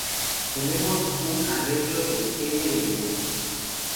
Tenemos una arreglo de n elementos.